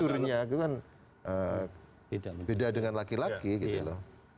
tidurnya itu kan beda dengan laki laki gitu loh